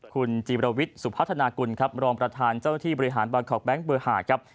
คุณจีบระวิทสุภาธนากุลครับรองประธานเจ้าหน้าที่บริหารบาร์คอล์กแบงค์เบอร์ห่าครับ